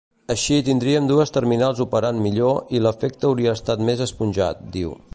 Així tindríem dues terminals operant millor i l’efecte hauria estat més esponjat, diu.